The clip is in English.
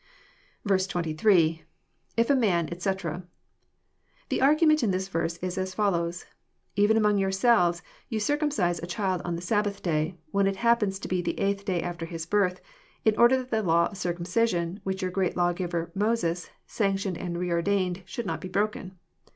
28. — llf a man, etc,"] The argument In this verse is as follows :—" Even among yourselves you circumcise a child on the Sabbath day, when it happens to be the eighth day after his birth, in order that the law of circumcision, which your great lawgiver, Moses, sanctioned and re ordalned, should not be broken.